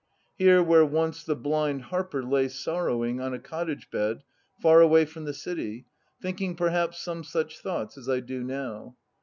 Here where once the blind harper * lay sorrowing On a cottage bed, far away from the City, Thinking perhaps some such thoughts as I do now.